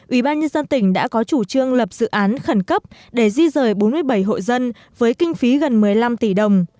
ủy ban nhân dân tỉnh đã có chủ trương lập dự án khẩn cấp để di rời bốn mươi bảy hộ dân với kinh phí gần một mươi năm tỷ đồng